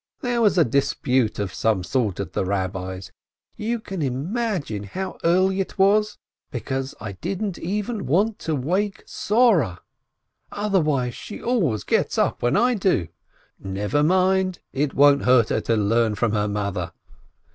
There was a dispute of some sort at the Rabbi's. You can imagine how early it was, because I didn't even want to wake Soreh, otherwise she always gets up when I do (never mind, it won't hurt her to learn from her mother!).